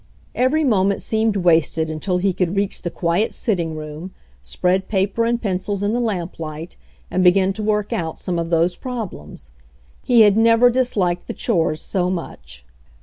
Every moment seemed wasted until he could reach the quiet sitting room, spread paper and pencils in the lamplight and begin to work out some of those problems. He had never disliked the chores so much.